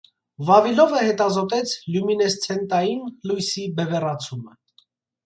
Վավիլովը հետազոտեց լյումինեսցենտային լույսի բևեռացումը։